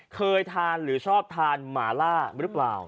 เคยทานหรือชอบทานหมาล่าหรือเปล่า